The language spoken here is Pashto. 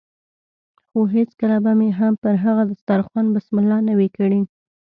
خو هېڅکله به مې هم پر هغه دسترخوان بسم الله نه وي کړې.